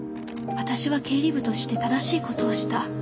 私は経理部として正しいことをした。